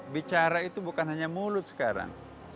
bicara itu bukan hanya mulut sekarang